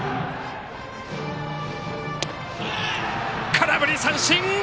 空振り三振！